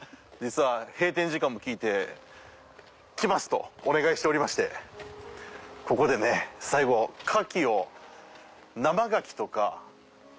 実は閉店時間も聞いて「来ます！」とお願いしておりましてココでね最後「カキ」を。